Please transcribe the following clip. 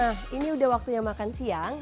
nah ini udah waktunya makan siang